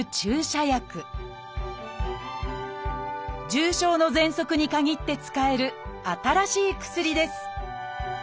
重症のぜんそくに限って使える新しい薬です。